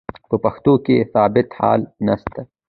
په پښتو کښي ثابت حالت نسته.